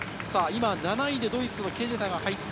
７位でドイツのケジェタが入った。